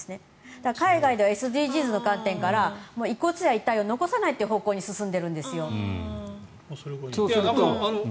だから海外ではＳＤＧｓの観点から遺骨や遺体を残さない方向に進んでるんですよ。